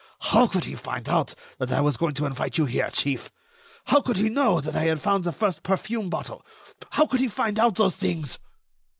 How could he find out that I was going to invite you here, chief? How could he know that I had found the first perfume bottle? How could he find out those things?"